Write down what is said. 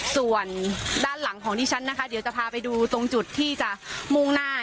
ส่วนด้านหลังของดิฉันนะคะเดี๋ยวจะพาไปดูตรงจุดที่จะมุ่งหน้า